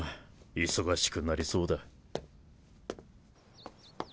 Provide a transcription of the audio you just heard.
忙しくなりそうだ。